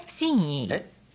えっ？